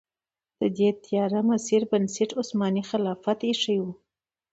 د دې تیاره مسیر بنسټ عثماني خلافت ایښی و.